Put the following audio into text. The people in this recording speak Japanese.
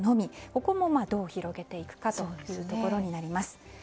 ここもどう広げていくかということになります。